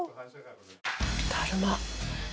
だるま。